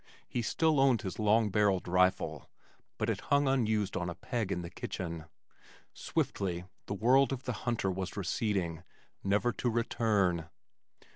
He still owned his long barrelled rifle but it hung unused on a peg in the kitchen. Swiftly the world of the hunter was receding, never to return.